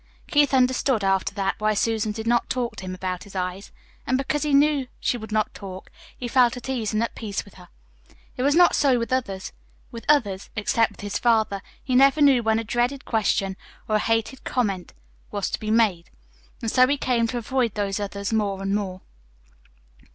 Keith understood, after that, why Susan did not talk to him about his eyes; and because he knew she would not talk, he felt at ease and at peace with her. It was not so with others. With others (except with his father) he never knew when a dread question or a hated comment was to be made. And so he came to avoid those others more and more.